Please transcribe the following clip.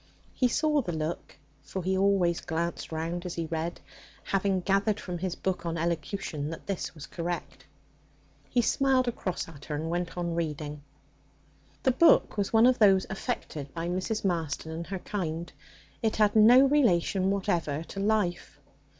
He saw the look, for he always glanced round as he read, having gathered from his book on elocution that this was correct. He smiled across at her, and went on reading. The book was one of those affected by Mrs. Marston and her kind. It had no relation whatever to life.